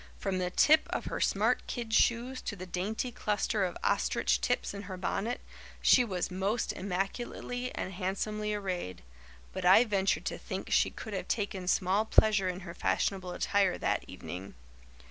From the tip of her smart kid shoes to the dainty cluster of ostrich tips in her bonnet she was most immaculately and handsomely arrayed; but I venture to think she could have taken small pleasure in her fashionable attire that evening.